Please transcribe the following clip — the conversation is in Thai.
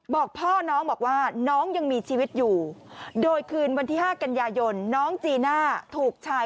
บอกพ่อน้องบอกว่าน้องยังมีชีวิตอยู่โดยคืนวันที่๕กันยายนน้องจีน่าถูกชาย